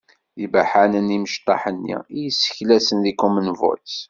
D ibaḥanen yimecṭaḥ-nni i yesseklasen deg common voice.